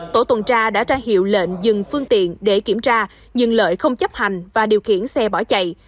tổ tuần tra đã ra hiệu lệnh dừng phương tiện để kiểm tra nhưng lợi không chấp hành và điều khiển xe bỏ chạy